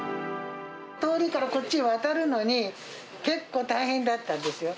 通りからこっちへ渡るのに、結構大変だったんですよ。